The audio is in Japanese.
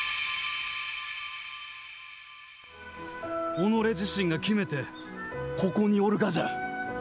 己自身が決めて、ここにおるがじゃ。